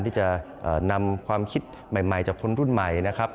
ที่จะนำความคิดใหม่จากคนรุ่นใหม่นะครับ